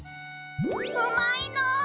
うまいのう！